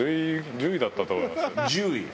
１０位。